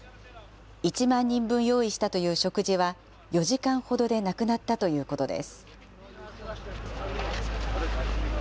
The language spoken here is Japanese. １万人分用意したという食事は、４時間ほどでなくなったということです。